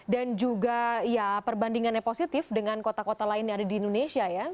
dan juga ya perbandingannya positif dengan kota kota lain yang ada di indonesia ya